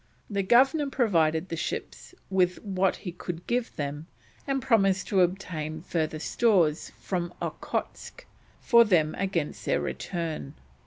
The Governor provided the ships with what he could give them, and promised to obtain further stores from Okotsk for them against their return.